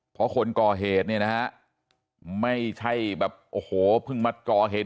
เพราะคนก่อเหตุเนี่ยนะฮะไม่ใช่แบบโอ้โหเพิ่งมาก่อเหตุ